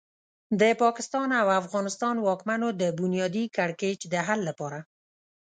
د پاکستان او افغانستان واکمنو د بنیادي کړکېچ د حل لپاره.